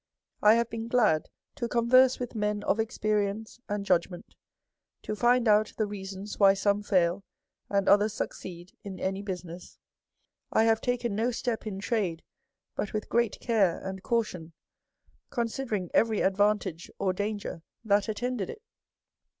I have been glad to converse with men of ex perience and judgment, to find out the reasons why some fail and others succeed in any business. I have taken no step in trade but with great care and caution, considering every advantage or danger that attended it.